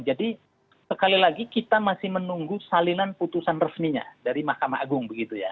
jadi sekali lagi kita masih menunggu salinan putusan resminya dari mahkamah agung